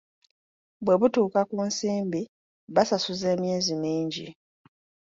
"Bwe butuuka ku nsimbi, basasuza emyezi mingi."